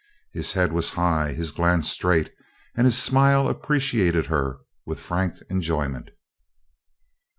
His head was high, his glance straight, and his smile appreciated her with frank enjoyment.